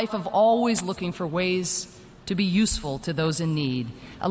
การให้ไม่ต้องการการตอบแทนครับ